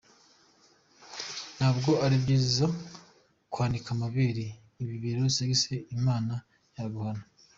Ntabwo ari byiza kwanika amabere, ibibero, sex imana yaguhaye.